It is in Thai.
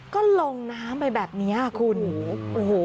ก็ลงน้ำไปแบบเนี้ยคุณโอ้โห